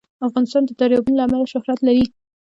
افغانستان د دریابونه له امله شهرت لري.